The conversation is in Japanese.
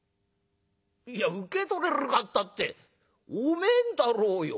「いや『受け取れるか』ったってお前んだろうよ。